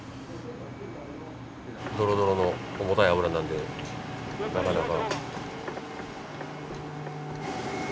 ドロドロの重たい油なんでなかなか。